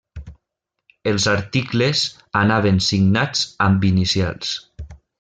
Els articles anaven signats amb inicials.